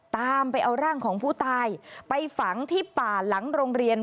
ตามไปเอาร่างของผู้ตายไปฝังที่ป่าหลังโรงเรียน